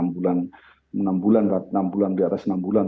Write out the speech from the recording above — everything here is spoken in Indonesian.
enam bulan di atas enam bulan